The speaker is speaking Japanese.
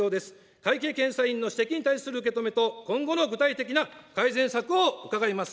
会計検査院の指摘に対する受け止めと今後の具体的な改善策を伺います。